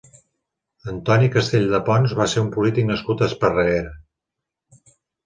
Antoni Castell de Pons va ser un polític nascut a Esparreguera.